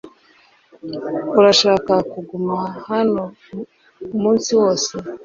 Urashaka kuguma hano umunsi wose?